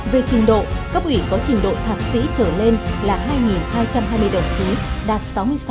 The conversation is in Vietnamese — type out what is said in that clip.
về trình độ cấp ủy có trình độ thạc sĩ trở lên là hai hai trăm hai mươi đồng chí đạt sáu mươi sáu sáu mươi bảy